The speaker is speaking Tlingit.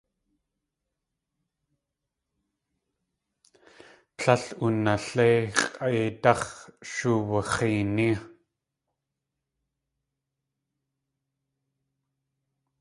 Tlél unaléi x̲ʼéidáx̲ shuwushx̲eení.